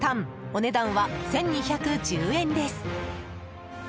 お値段は、１２１０円です。